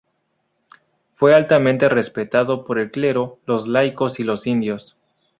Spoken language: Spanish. Fue altamente respetado por el clero, los laicos y los indios.